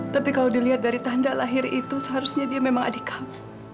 tapi kalau dilihat dari tanda lahir itu seharusnya dia memang adik kamu